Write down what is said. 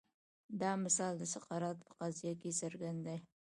دا مثال د سقراط په قضیه کې څرګند دی.